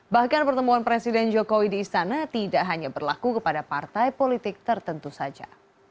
bahkan pertemuan presiden jokowi di istana tidak hanya berlaku kepada partai politik tertentu saja